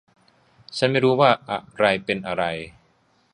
ฉันไม่รู้ว่าอะไรเป็นอะไร